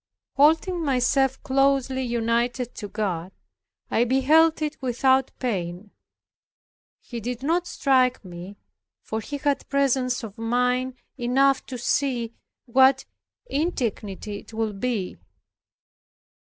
Holding myself closely united to God, I beheld it without pain. He did not strike me for he had presence of mind enough to see what indignity it would be.